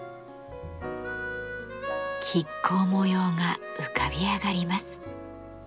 亀甲模様が浮かび上がります。